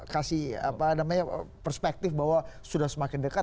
kasih apa namanya perspektif bahwa sudah semakin dekat